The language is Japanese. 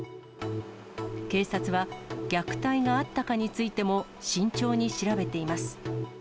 警察は、虐待があったかについても慎重に調べています。